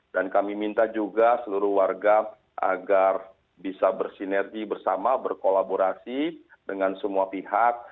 dan kami minta juga seluruh warga agar bisa bersinergi bersama berkolaborasi dengan semua pihak